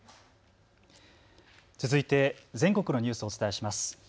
続いて全国のニュースをお伝えします。